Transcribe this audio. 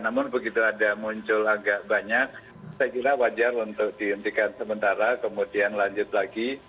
namun begitu ada muncul agak banyak saya kira wajar untuk dihentikan sementara kemudian lanjut lagi